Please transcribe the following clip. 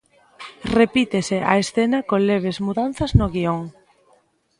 Repítese a escena con leves mudanzas no guión.